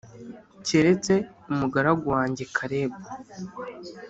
keretse umugaragu wanjye Kalebu